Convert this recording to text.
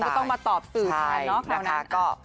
ตอนนี้ก็ต้องมาตอบสื่อสารนอกเหล่านั้น